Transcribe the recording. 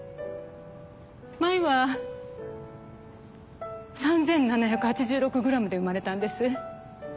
舞は３７８６ｇで生まれたんです。